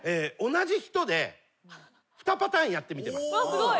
すごい。